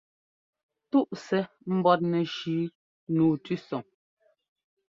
Túꞌ sɛ́ ḿbɔ́tnɛ shʉ́ nǔu tʉ́sɔŋ.